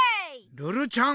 ルルちゃん。